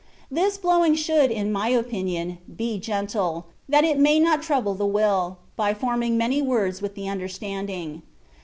This blowing should, in my opinion, be gentle, that it may not trouble the will, by forming many words with the understanding.